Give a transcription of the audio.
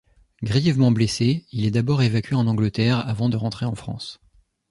Grièvement blessé, il est d'abord évacué en Angleterre avant de rentrer en France.